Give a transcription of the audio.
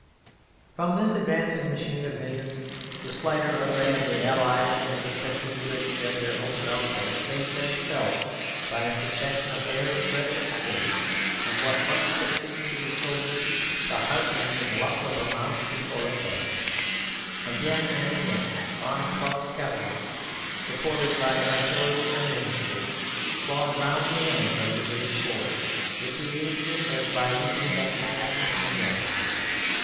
From this advancing machine of millions, the slighter array of the Allies, and especially the British at their ultimate outpost, saved themselves by a succession of hair's breadth escapes and what must have seemed to the soldiers the heartrending luck of a mouse before a cat. Again and again Von Kluck's cavalry, supported by artillery and infantry, clawed round the end of the British force, which eluded it as by leaping back again and again.